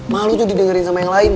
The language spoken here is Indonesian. malu tuh didengerin sama yang lain